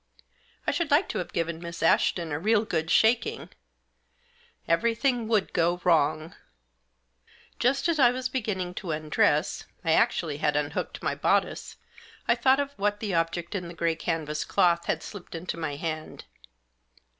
I should like to have given Miss Ashton a real good shaking — everything would go wrong I Just as I was beginning to undress — I actually had unhooked my bodice — I thought of what the object in the grey canvas cloth had slipped into my hand.